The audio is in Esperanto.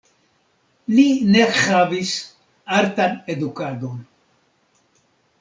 Li ne havis artan edukadon.